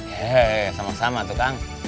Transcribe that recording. hei sama sama tuh kang